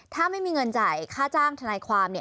ถ้าไม่มีเงินจ่ายค่าจ้างทนายความ